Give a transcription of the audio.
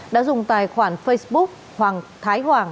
đã dùng tài khoản facebook hoàng thái hoàng